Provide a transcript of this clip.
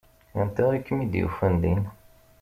Anta i kem-id-yufan din?